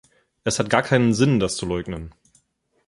Es hat gar keinen Sinn, das zu leugnen.